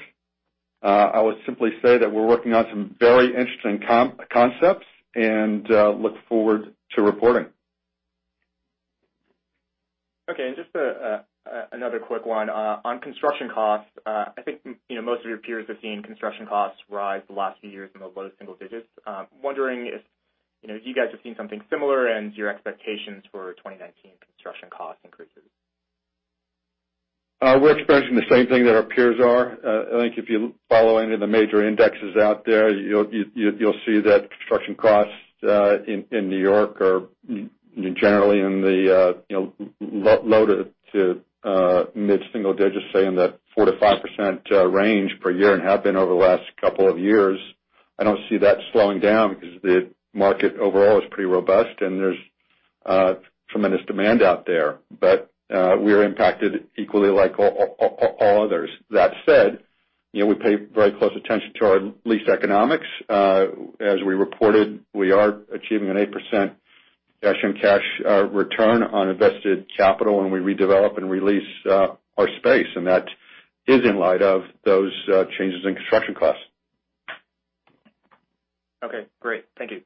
D: I would simply say that we're working on some very interesting concepts and look forward to reporting.
L: Okay. Just another quick one. On construction costs, I think most of your peers have seen construction costs rise the last few years in the low single digits. I'm wondering if you guys have seen something similar and your expectations for 2019 construction cost increases.
D: We're expecting the same thing that our peers are. I think if you follow any of the major indexes out there, you'll see that construction costs in New York are generally in the low to mid single digits, say, in the 4%-5% range per year, and have been over the last couple of years. We're impacted equally like all others. That said, we pay very close attention to our lease economics. As we reported, we are achieving an 8% cash on cash return on invested capital when we redevelop and re-lease our space, and that is in light of those changes in construction costs.
L: Okay, great. Thank you.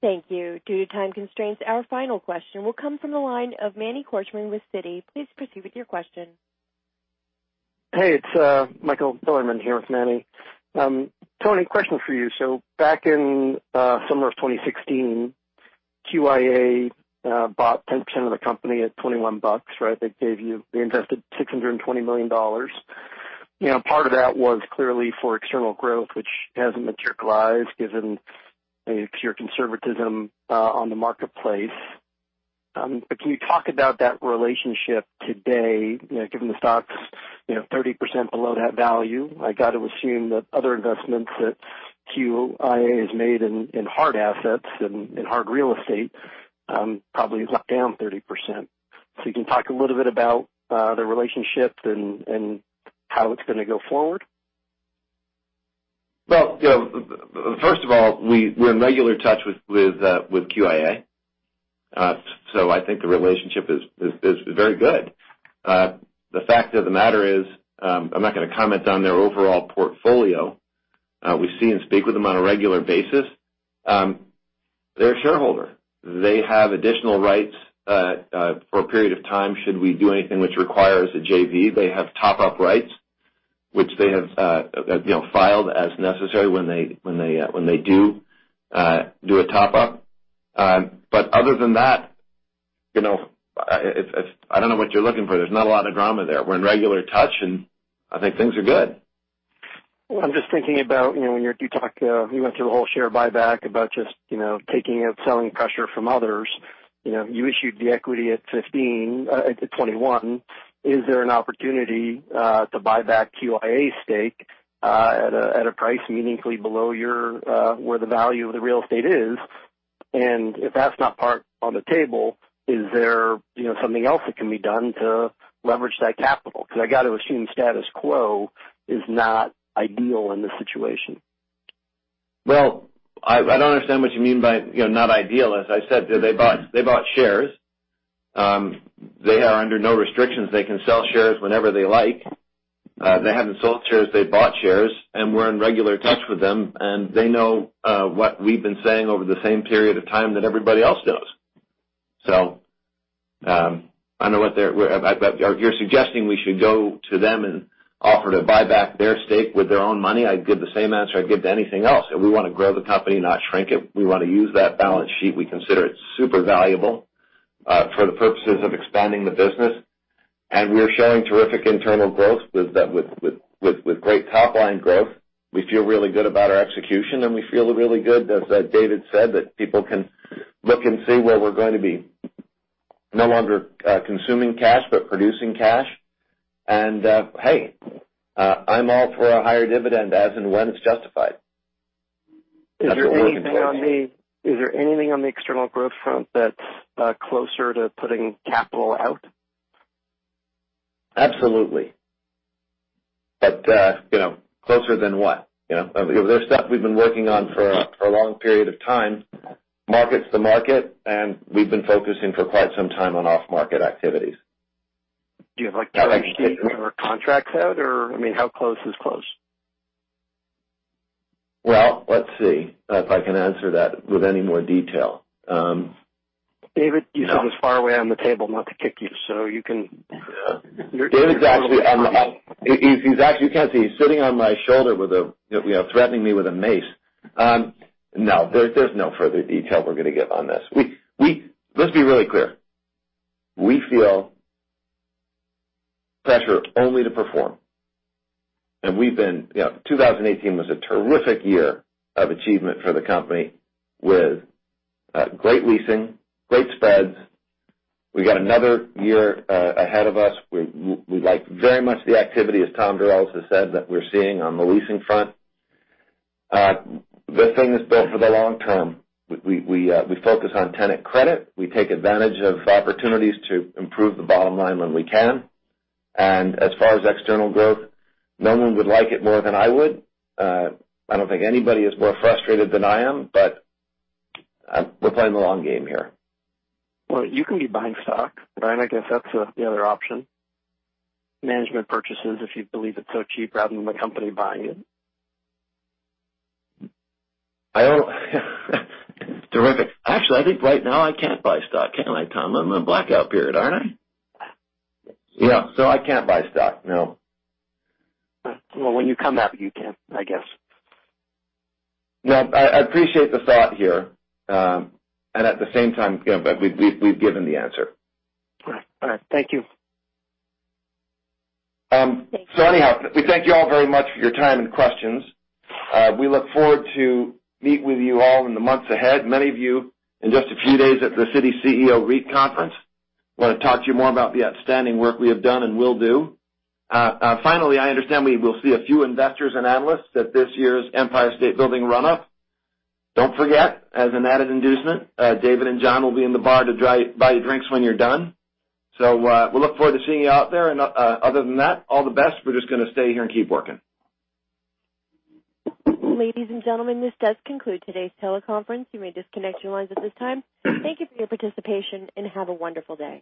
A: Thank you. Due to time constraints, our final question will come from the line of Manny Korchman with Citi. Please proceed with your question.
M: Hey, it's Michael Silverman here with Manny. Tony, question for you. Back in summer of 2016, QIA bought 10% of the company at $21. They invested $620 million. Part of that was clearly for external growth, which hasn't materialized given pure conservatism on the marketplace. Can you talk about that relationship today, given the stock's 30% below that value? I got to assume that other investments that QIA has made in hard assets and hard real estate probably is locked down 30%. You can talk a little bit about the relationship and how it's going to go forward?
F: First of all, we're in regular touch with QIA, so I think the relationship is very good. The fact of the matter is, I'm not going to comment on their overall portfolio. We see and speak with them on a regular basis. They're a shareholder. They have additional rights for a period of time should we do anything which requires a JV. They have top-up rights, which they have filed as necessary when they do a top-up. Other than that, I don't know what you're looking for. There's not a lot of drama there. We're in regular touch, and I think things are good.
M: I'm just thinking about when you went through the whole share buyback, about just taking out selling pressure from others. You issued the equity at $21. Is there an opportunity to buy back QIA's stake at a price meaningfully below where the value of the real estate is? If that's not part on the table, is there something else that can be done to leverage that capital? I got to assume status quo is not ideal in this situation.
F: Well, I don't understand what you mean by not ideal. As I said, they bought shares. They are under no restrictions. They can sell shares whenever they like. They haven't sold shares, they bought shares, and we're in regular touch with them, and they know what we've been saying over the same period of time that everybody else does. You're suggesting we should go to them and offer to buy back their stake with their own money? I'd give the same answer I'd give to anything else. We want to grow the company, not shrink it. We want to use that balance sheet. We consider it super valuable. For the purposes of expanding the business. We are showing terrific internal growth with great top-line growth. We feel really good about our execution, and we feel really good, as David said, that people can look and see where we're going to be no longer consuming cash but producing cash. Hey, I'm all for a higher dividend as and when it's justified.
M: Is there anything on the external growth front that's closer to putting capital out?
F: Absolutely. Closer than what? There's stuff we've been working on for a long period of time. Market's the market, and we've been focusing for quite some time on off-market activities.
M: Do you have like contracts out or, I mean, how close is close?
F: Well, let's see if I can answer that with any more detail.
M: David, you sit as far away on the table, I'm about to kick you.
F: David's actually, you can't see, he's sitting on my shoulder, threatening me with a mace. No, there's no further detail we're going to give on this. Let's be really clear. We feel pressure only to perform. 2018 was a terrific year of achievement for the company with great leasing, great spreads. We got another year ahead of us. We like very much the activity, as Tom Durels also said, that we're seeing on the leasing front. This thing is built for the long term. We focus on tenant credit. We take advantage of opportunities to improve the bottom line when we can. As far as external growth, no one would like it more than I would. I don't think anybody is more frustrated than I am, we're playing the long game here.
M: Well, you can be buying stock. I guess that's the other option. Management purchases, if you believe it's so cheap rather than the company buying it.
F: Terrific. Actually, I think right now I can't buy stock, can I, Tom? I'm in blackout period, aren't I? Yeah. I can't buy stock. No.
M: Well, when you come out, you can, I guess.
F: No, I appreciate the thought here. At the same time, but we've given the answer.
M: All right. Thank you.
F: Anyhow, we thank you all very much for your time and questions. We look forward to meet with you all in the months ahead, many of you in just a few days at the Citi CEO REIT conference, where I talk to you more about the outstanding work we have done and will do. Finally, I understand we will see a few investors and analysts at this year's Empire State Building run-up. Don't forget, as an added inducement, David and John will be in the bar to buy you drinks when you're done. We look forward to seeing you out there. Other than that, all the best. We're just going to stay here and keep working.
A: Ladies and gentlemen, this does conclude today's teleconference. You may disconnect your lines at this time. Thank you for your participation, and have a wonderful day.